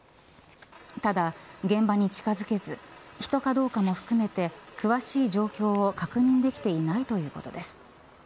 ただ、現場に近づけず人かどうかも含めて詳しい状況を確認できていないということです。